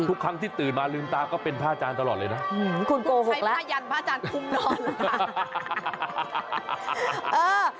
ทุกครั้งที่ตื่นมาลืมตาก็เป็นพ่ออาจารย์ตลอดเลยนะหือคุณโกหกแล้วให้พ่ายันพ่ออาจารย์คุ้มนอนค่ะ